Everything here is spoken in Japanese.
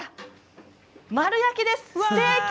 丸焼きです。